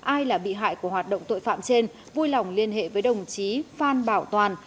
ai là bị hại của hoạt động tội phạm trên vui lòng liên hệ với đồng chí phan bảo toàn